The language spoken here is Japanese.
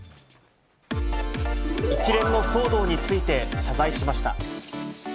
一連の騒動について、謝罪しました。